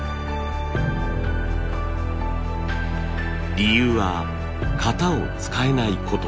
理由は型を使えないこと。